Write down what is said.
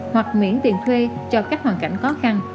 hoặc miễn tiền thuê cho các hoàn cảnh khó khăn